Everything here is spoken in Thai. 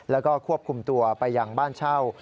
แล้วก็ควบคุมตัวไปยังบ้านเช่า